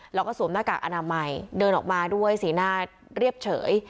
แล้วก็สวมหน้ากากอนามัยเดินออกมาด้วยสีหน้าเรียบเฉย